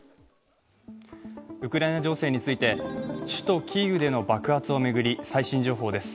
ウクライナ情勢について、首都キーウでの爆発を巡り、最新情報です。